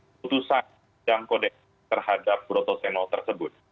keputusan dan kodeks terhadap broto seno tersebut